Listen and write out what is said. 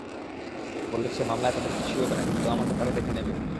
বলেছে, মামলায় তাদের কিছুই হবে না, কিন্তু আমাকে তারা দেখে নেবে।